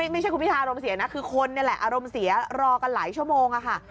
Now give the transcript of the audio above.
ไม่ใช่คุณพิธารมเสียนะคือคนนี่แหละอารมณ์เสียรอกันหลายชั่วโมงค่ะ